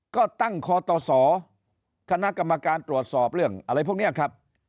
ก็ตั้งคอตสคณะกรรมการตรวจสอบเรื่องอะไรพวกนี้ครับ